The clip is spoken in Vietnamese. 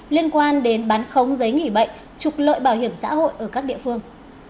liên quan đến bán khống giấy nghỉ bệnh trục lợi bảo hiểm xã hội ở các địa phương